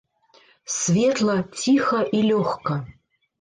Светла, ціха і лёгка.